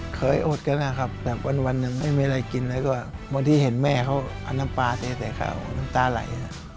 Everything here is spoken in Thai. อดกันนะครับแต่วันยังไม่มีอะไรกินแล้วก็บางทีเห็นแม่เขาเอาน้ำปลาเทใส่เขาน้ำตาไหล